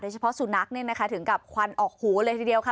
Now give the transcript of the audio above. เฉพาะสุนัขเนี่ยนะคะถึงกับควันออกหูเลยทีเดียวค่ะ